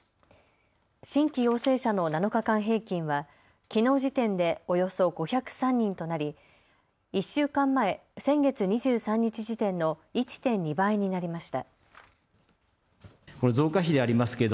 新規陽性者の７日間平均はきのう時点でおよそ５０３人となり、１週間前、先月２３日時点の１．２倍になりました。